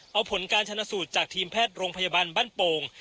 เอาผลการชนะสูตรจากทีมแพทย์โรงพยาบาลบ้านโป่ง